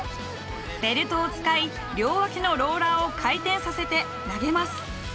ベルトを使い両脇のローラーを回転させて投げます。